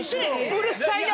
うるさいな！